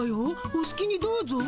おすきにどうぞ。